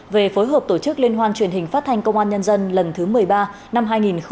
về phối hợp tổ chức liên hoan truyền hình phát thanh công an nhân dân lần thứ một mươi ba năm hai nghìn hai mươi